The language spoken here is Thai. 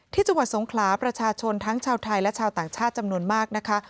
จังหวัดสงขลาประชาชนทั้งชาวไทยและชาวต่างชาติจำนวนมากนะคะ